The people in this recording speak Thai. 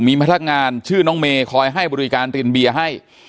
มีพนักงานชื่อน้องเมย์คอยให้บริการรินเบียร์ให้